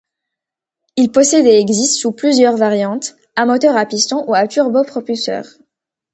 Il possède et existe sous plusieurs variantes, à moteur à pistons ou à turbopropulseur.